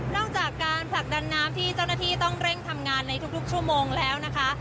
อกจากการผลักดันน้ำที่เจ้าหน้าที่ต้องเร่งทำงานในทุกชั่วโมงแล้วนะคะ